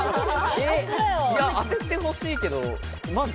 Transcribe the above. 当ててほしいけど。